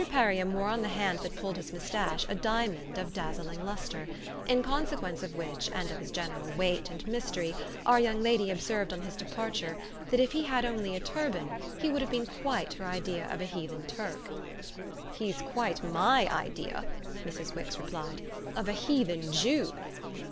Perriam wore on the hand that pulled his moustache a diamond of dazzling lustre, in consequence of which and of his general weight and mystery our young lady observed on his departure that if he had only had a turban he would have been quite her idea of a heathen Turk. "He's quite my idea," Mrs. Wix replied, "of a heathen Jew."